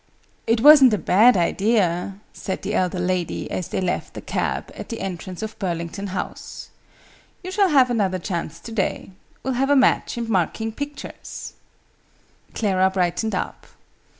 "It wasn't a bad idea," said the elder lady, as they left the cab, at the entrance of Burlington House. "You shall have another chance to day. We'll have a match in marking pictures." Clara brightened up.